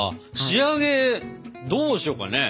仕上げどうしようかね？